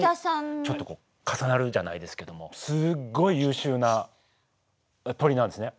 ちょっとこう重なるじゃないですけどもすごい優秀な鳥なんですね。